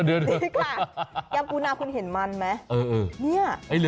นี่ค่ะยำปูนาคุณเห็นมันไหม